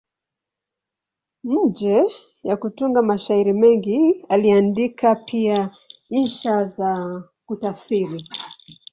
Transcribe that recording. Nje ya kutunga mashairi mengi, aliandika pia insha na kutafsiri.